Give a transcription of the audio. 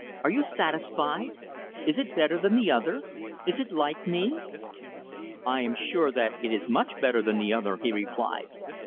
Are you satisfied? Is it better than the other? Is it like me?" "I am sure that it is much better than the other," he replied.